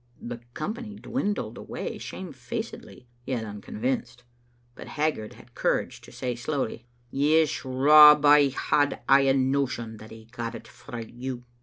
The company dwindled away shamefacedly, yet un convinced; but Haggart had courage to say slowly — "Yes, Rob, I had aye a notion that he got it frae you.